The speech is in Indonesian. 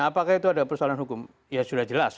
apakah itu ada persoalan hukum ya sudah jelas